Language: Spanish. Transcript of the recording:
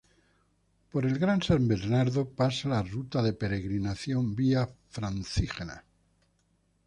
Por el Gran San Bernardo pasa la Ruta de Peregrinación Vía Francígena.